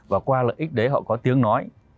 và qua lợi ích đấy họ có tiếng nói